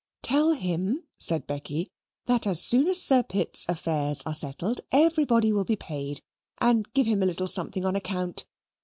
"Tell him," said Becky, "that as soon as Sir Pitt's affairs are settled, everybody will be paid, and give him a little something on account.